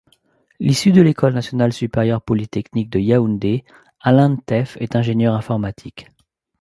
Issu de l’École nationale supérieure polytechnique de Yaoundé, Alain Nteff est ingénieur informatique.